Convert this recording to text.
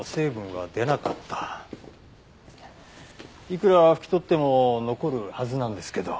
いくら拭き取っても残るはずなんですけど。